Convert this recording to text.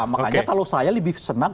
makanya kalau saya lebih senang